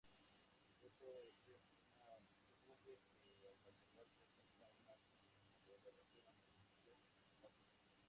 El fruto es una legumbre que al madurar presenta una coloración amarillo-pajiza.